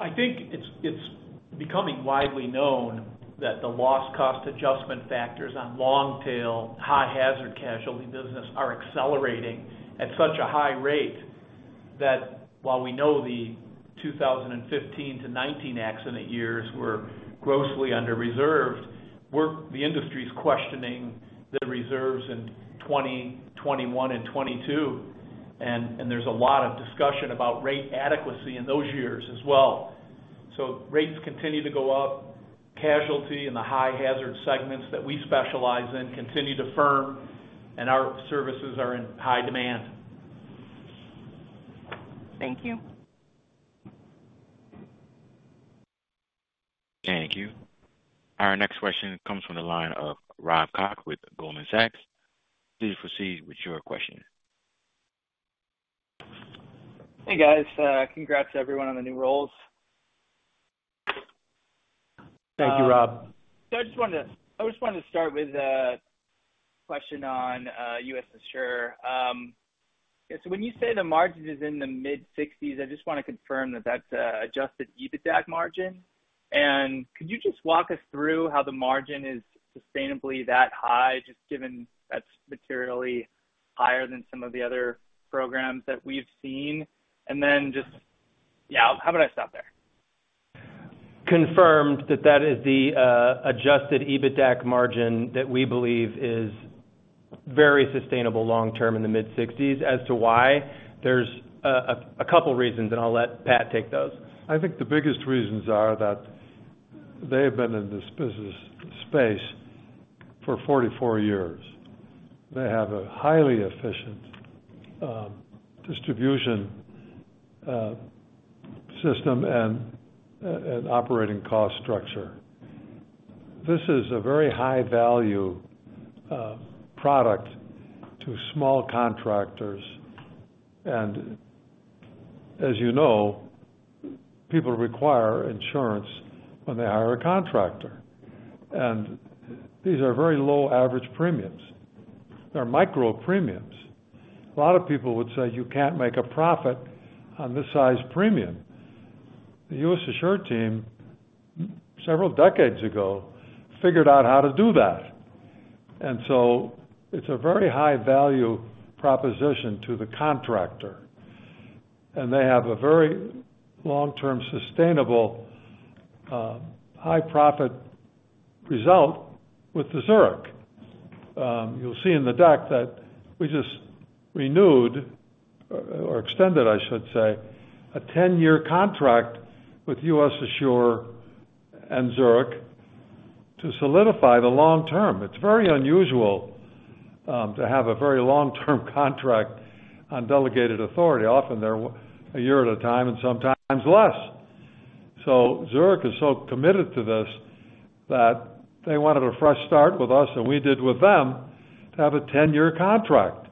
I think it's becoming widely known that the loss-cost adjustment factors on long-tail, high-hazard casualty business are accelerating at such a high rate that while we know the 2015 to 2019 accident years were grossly under-reserved, the industry is questioning the reserves in 2020, 2021, and 2022. And there's a lot of discussion about rate adequacy in those years as well. So rates continue to go up. Casualty and the high-hazard segments that we specialize in continue to firm, and our services are in high demand. Thank you. Thank you. Our next question comes from the line of Rob Cox with Goldman Sachs. Please proceed with your question. Hey, guys. Congrats to everyone on the new roles. Thank you, Rob. I just wanted to start with a question on US Assure. When you say the margin is in the mid-60s, I just want to confirm that that's Adjusted EBITDA margin. Could you just walk us through how the margin is sustainably that high, just given that's materially higher than some of the other programs that we've seen? Then just, yeah, how about I stop there? Confirmed that that is the Adjusted EBITDA margin that we believe is very sustainable long-term in the mid-60s. As to why, there's a couple of reasons, and I'll let Pat take those. I think the biggest reasons are that they have been in this business space for 44 years. They have a highly efficient distribution system and operating cost structure. This is a very high-value product to small contractors. As you know, people require insurance when they hire a contractor. These are very low average premiums. They're micro premiums. A lot of people would say, "You can't make a profit on this size premium." The U.S. Assure team, several decades ago, figured out how to do that. So it's a very high-value proposition to the contractor. They have a very long-term, sustainable, high-profit result with the Zurich. You'll see in the deck that we just renewed or extended, I should say, a 10-year contract with U.S. Assure and Zurich to solidify the long term. It's very unusual to have a very long-term contract on delegated authority. Often they're a year at a time and sometimes less. So Zurich is so committed to this that they wanted a fresh start with us, and we did with them, to have a 10-year contract.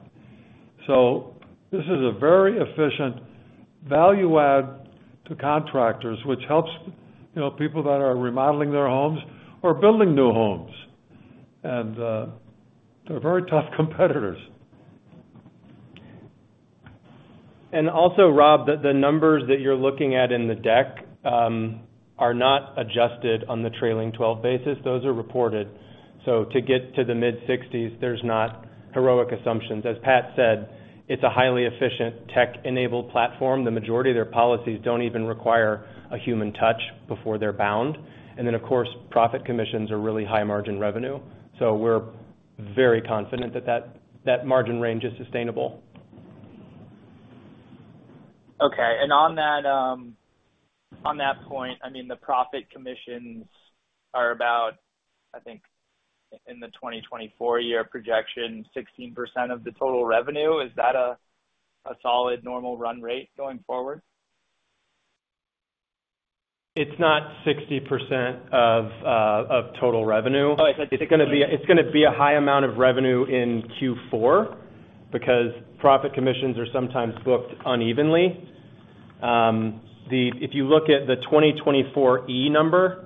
So this is a very efficient value add to contractors, which helps people that are remodeling their homes or building new homes. And they're very tough competitors. Also, Rob, the numbers that you're looking at in the deck are not adjusted on the trailing 12 basis. Those are reported. So to get to the mid-60s, there's not heroic assumptions. As Pat said, it's a highly efficient tech-enabled platform. The majority of their policies don't even require a human touch before they're bound. And then, of course, profit commissions are really high-margin revenue. So we're very confident that that margin range is sustainable. Okay. And on that point, I mean, the profit commissions are about, I think, in the 2024 year projection, 16% of the total revenue. Is that a solid, normal run rate going forward? It's not 60% of total revenue. Oh, I said 60%. It's going to be a high amount of revenue in Q4 because profit commissions are sometimes booked unevenly. If you look at the 2024 E number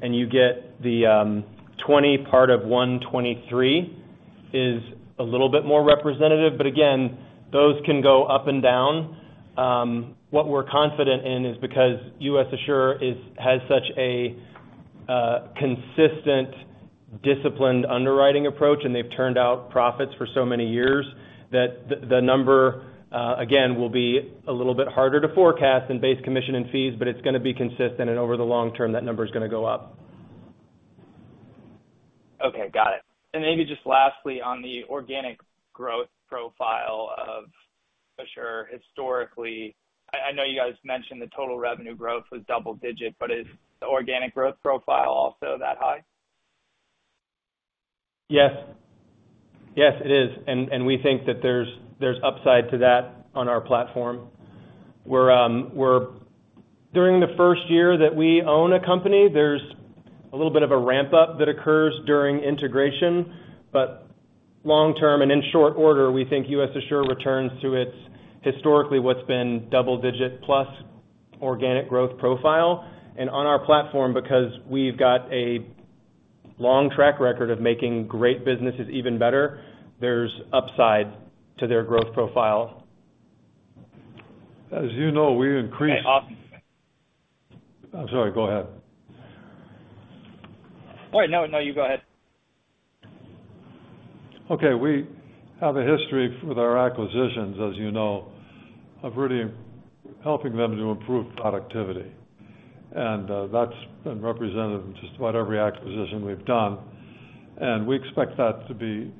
and you get the 20 part of 123 is a little bit more representative. But again, those can go up and down. What we're confident in is because U.S. Assure has such a consistent, disciplined underwriting approach, and they've turned out profits for so many years that the number, again, will be a little bit harder to forecast than base commission and fees, but it's going to be consistent. And over the long term, that number is going to go up. Okay. Got it. And maybe just lastly, on the organic growth profile of Assure historically, I know you guys mentioned the total revenue growth was double-digit, but is the organic growth profile also that high? Yes. Yes, it is. And we think that there's upside to that on our platform. During the first year that we own a company, there's a little bit of a ramp-up that occurs during integration. But long-term and in short order, we think U.S. Assure returns to its historically what's been double-digit plus organic growth profile. And on our platform, because we've got a long track record of making great businesses even better, there's upside to their growth profile. As you know, we increased. Hey, I'm sorry. Go ahead. All right. No, no, you go ahead. Okay. We have a history with our acquisitions, as you know, of really helping them to improve productivity. That's been represented in just about every acquisition we've done. We expect that to be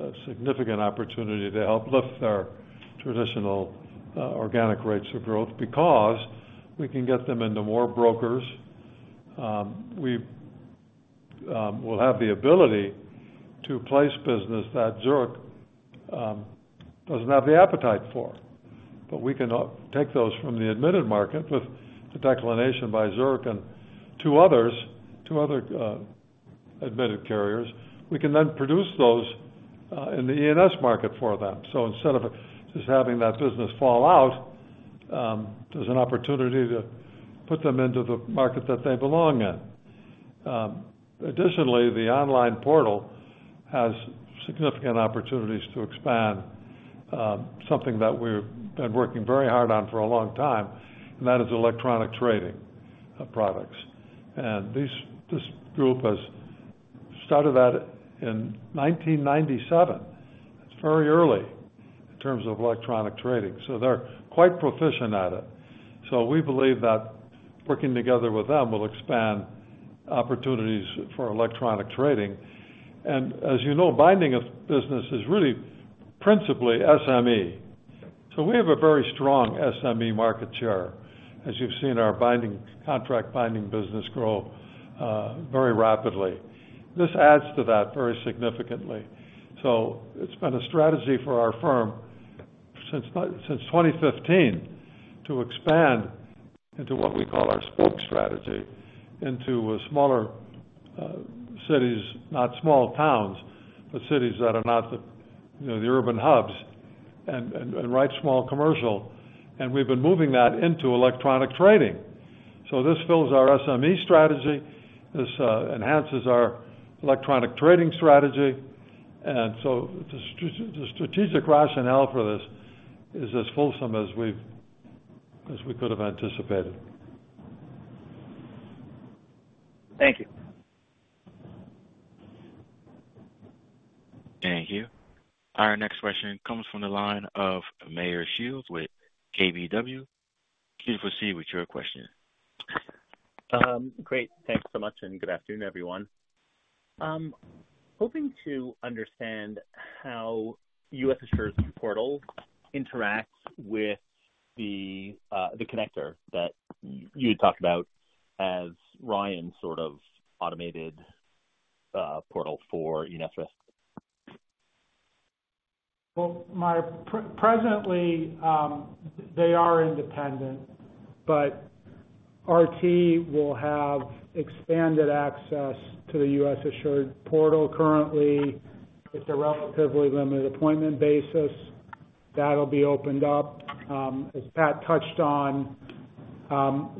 a significant opportunity to help lift their traditional organic rates of growth because we can get them into more brokers. We will have the ability to place business that Zurich doesn't have the appetite for. But we can take those from the admitted market with the declination by Zurich and two other admitted carriers. We can then produce those in the E&S market for them. So instead of just having that business fall out, there's an opportunity to put them into the market that they belong in. Additionally, the online portal has significant opportunities to expand, something that we've been working very hard on for a long time, and that is electronic trading of products. This group has started that in 1997. It's very early in terms of electronic trading. They're quite proficient at it. We believe that working together with them will expand opportunities for electronic trading. As you know, binding of business is really principally SME. We have a very strong SME market share. As you've seen, our contract binding business grew very rapidly. This adds to that very significantly. It's been a strategy for our firm since 2015 to expand into what we call our spoke strategy into smaller cities, not small towns, but cities that are not the urban hubs and write small commercial. We've been moving that into electronic trading. This fills our SME strategy. This enhances our electronic trading strategy. The strategic rationale for this is as fulsome as we could have anticipated. Thank you. Thank you. Our next question comes from the line of Meyer Shields with KBW. Please proceed with your question. Great. Thanks so much. Good afternoon, everyone. Hoping to understand how U.S. Assure's portal interacts with The Connector that you had talked about as Ryan's sort of automated portal for E&S risk. Well, presently, they are independent, but RT will have expanded access to the U.S. Assure portal currently. It's a relatively limited appointment basis. That'll be opened up. As Pat touched on,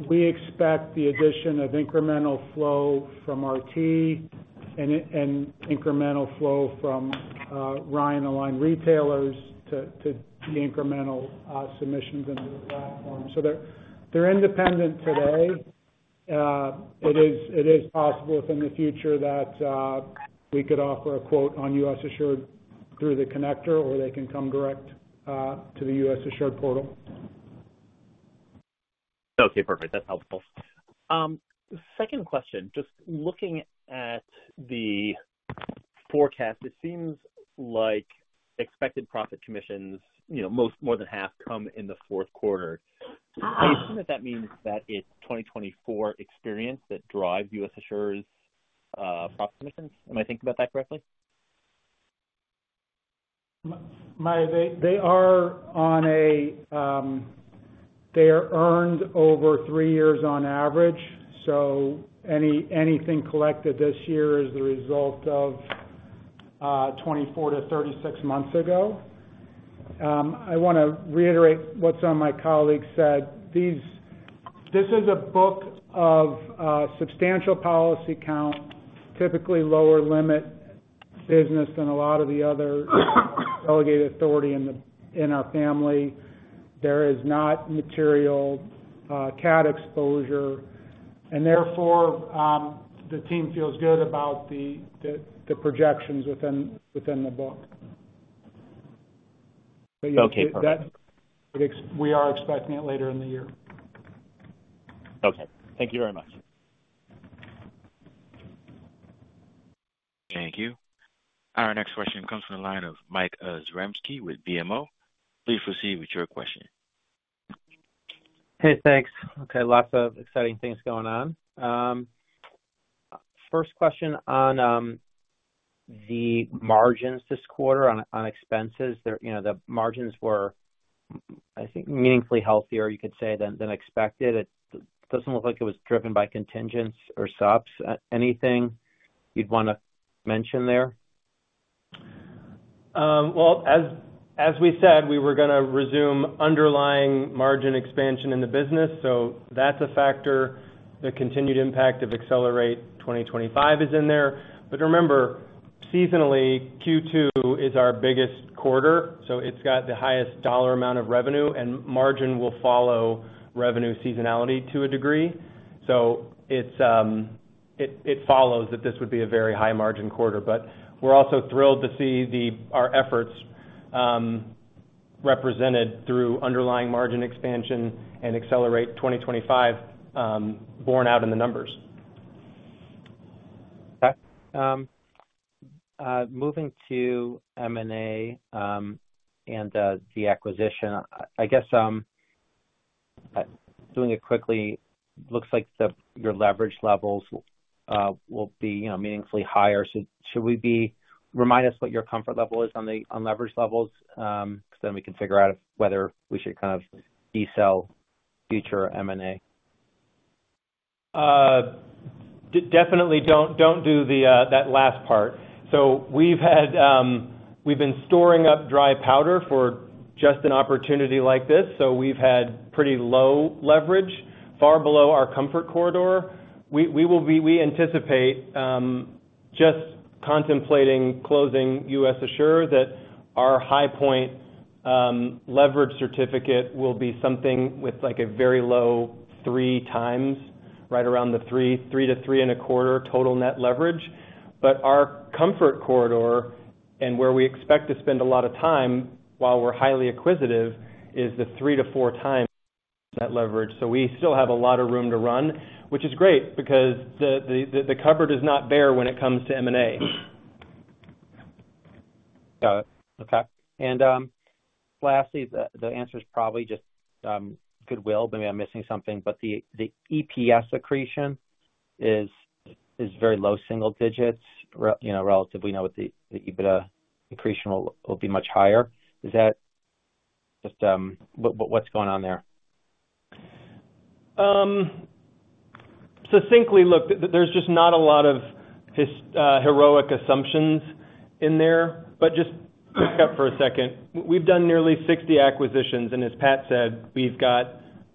we expect the addition of incremental flow from RT and incremental flow from Ryan-aligned retailers to incremental submissions into the platform. So they're independent today. It is possible within the future that we could offer a quote on U.S. Assure through the connector, or they can come direct to the U.S. Assure portal. Okay. Perfect. That's helpful. Second question, just looking at the forecast, it seems like expected profit commissions, more than half, come in the fourth quarter. Are you saying that that means that it's 2024 experience that drives U.S. Assure's profit commissions? Am I thinking about that correctly? They are earned over three years on average. So anything collected this year is the result of 24-36 months ago. I want to reiterate what some of my colleagues said. This is a book of substantial policy count, typically lower limit business than a lot of the other delegated authority in our family. There is not material CAD exposure. And therefore, the team feels good about the projections within the book. But yes, we are expecting it later in the year. Okay. Thank you very much. Thank you. Our next question comes from the line of Mike Zaremski with BMO. Please proceed with your question. Hey, thanks. Okay. Lots of exciting things going on. First question on the margins this quarter on expenses. The margins were, I think, meaningfully healthier, you could say, than expected. It doesn't look like it was driven by contingents or subs. Anything you'd want to mention there? Well, as we said, we were going to resume underlying margin expansion in the business. So that's a factor. The continued impact of Accelerate 2025 is in there. But remember, seasonally, Q2 is our biggest quarter. So it's got the highest dollar amount of revenue, and margin will follow revenue seasonality to a degree. So it follows that this would be a very high-margin quarter. But we're also thrilled to see our efforts represented through underlying margin expansion and Accelerate 2025 borne out in the numbers. Okay. Moving to M&A and the acquisition, I guess doing it quickly, it looks like your leverage levels will be meaningfully higher. So should we be remind us what your comfort level is on leverage levels? Because then we can figure out whether we should kind of decel future M&A. Definitely don't do that last part. So we've been storing up dry powder for just an opportunity like this. So we've had pretty low leverage, far below our comfort corridor. We anticipate, just contemplating closing US Assure, that our high-point leverage certificate will be something with a very low 3x, right around the 3 -3.25 total net leverage. But our comfort corridor and where we expect to spend a lot of time while we're highly acquisitive is the 3x -4x net leverage. So we still have a lot of room to run, which is great because the cupboard is bare when it comes to M&A. Got it. Okay. And lastly, the answer is probably just goodwill. Maybe I'm missing something. But the EPS accretion is very low single digits. Relatively, we know that the EBITDA accretion will be much higher. Is that just what's going on there? Succinctly, look, there's just not a lot of heroic assumptions in there. But just back up for a second. We've done nearly 60 acquisitions. And as Pat said, we've got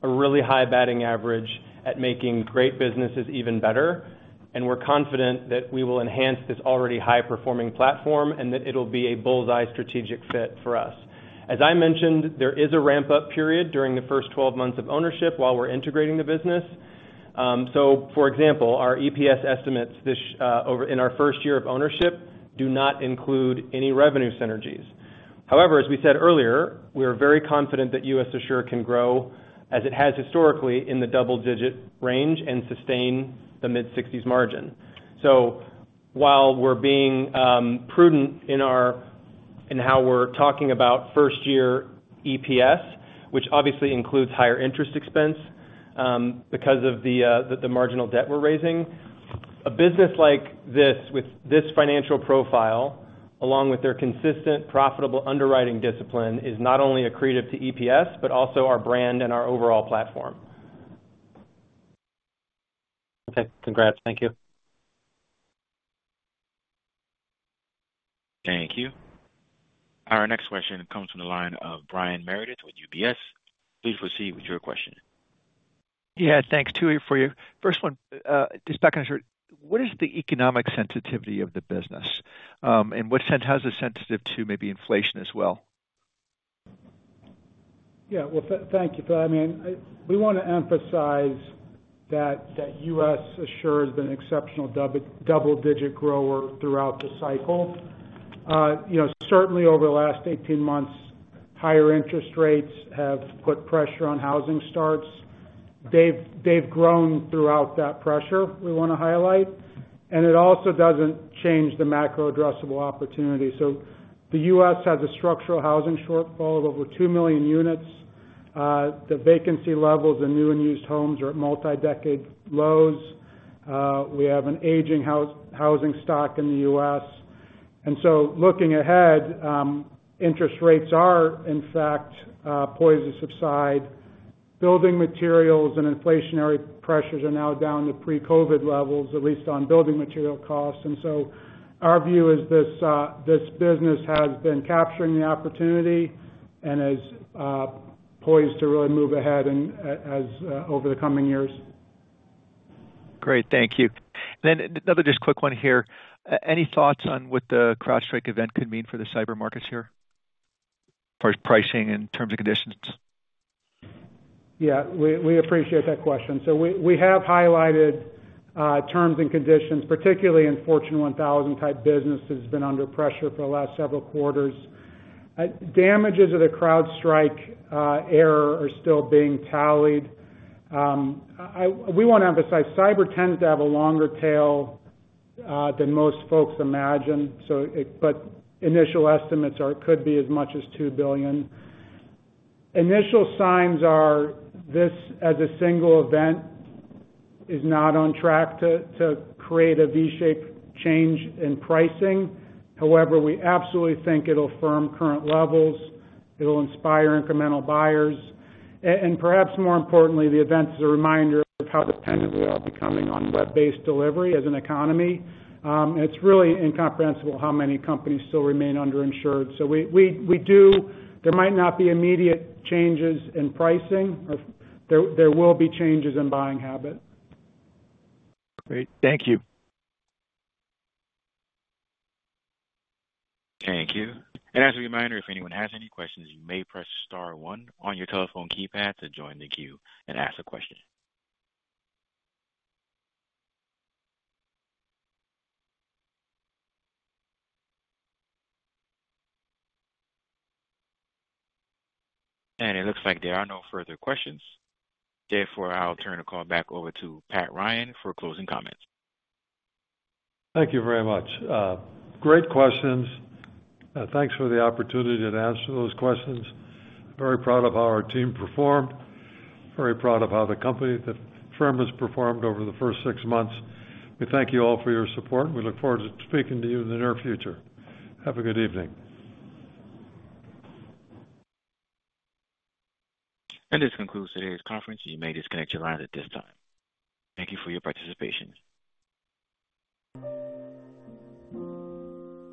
a really high batting average at making great businesses even better. And we're confident that we will enhance this already high-performing platform and that it'll be a bull's-eye strategic fit for us. As I mentioned, there is a ramp-up period during the first 12 months of ownership while we're integrating the business. So, for example, our EPS estimates in our first year of ownership do not include any revenue synergies. However, as we said earlier, we are very confident that U.S. Assure can grow, as it has historically, in the double-digit range and sustain the mid-60s margin. While we're being prudent in how we're talking about first-year EPS, which obviously includes higher interest expense because of the marginal debt we're raising, a business like this with this financial profile, along with their consistent, profitable underwriting discipline, is not only accretive to EPS, but also our brand and our overall platform. Okay. Congrats. Thank you. Thank you. Our next question comes from the line of Brian Meredith with UBS. Please proceed with your question. Yeah. Thanks, Tim, for you. First one, just back on Assure. What is the economic sensitivity of the business? And how is it sensitive to maybe inflation as well? Yeah. Well, thank you. I mean, we want to emphasize that U.S. Assure has been an exceptional double-digit grower throughout the cycle. Certainly, over the last 18 months, higher interest rates have put pressure on housing starts. They've grown throughout that pressure we want to highlight. And it also doesn't change the macro-addressable opportunity. So the U.S. has a structural housing shortfall of over two million units. The vacancy levels in new and used homes are at multi-decade lows. We have an aging housing stock in the U.S. And so looking ahead, interest rates have, in fact, subsided. Building materials and inflationary pressures are now down to pre-COVID levels, at least on building material costs. And so our view is this business has been capturing the opportunity and is poised to really move ahead over the coming years. Great. Thank you. And then another just quick one here. Any thoughts on what the CrowdStrike event could mean for the cyber markets here? As far as pricing and terms and conditions? Yeah. We appreciate that question. So we have highlighted terms and conditions, particularly in Fortune 1000-type businesses that have been under pressure for the last several quarters. Damages of the CrowdStrike error are still being tallied. We want to emphasize cyber tends to have a longer tail than most folks imagine. But initial estimates are it could be as much as $2 billion. Initial signs are this as a single event is not on track to create a V-shaped change in pricing. However, we absolutely think it'll firm current levels. It'll inspire incremental buyers. And perhaps more importantly, the event is a reminder of how dependent we are becoming on web-based delivery as an economy. It's really incomprehensible how many companies still remain underinsured. So there might not be immediate changes in pricing. There will be changes in buying habit. Great. Thank you. Thank you. And as a reminder, if anyone has any questions, you may press star one on your telephone keypad to join the queue and ask a question. And it looks like there are no further questions. Therefore, I'll turn the call back over to Pat Ryan for closing comments. Thank you very much. Great questions. Thanks for the opportunity to answer those questions. Very proud of how our team performed. Very proud of how the firm has performed over the first six months. We thank you all for your support. We look forward to speaking to you in the near future. Have a good evening. This concludes today's conference. You may disconnect your lines at this time. Thank you for your participation.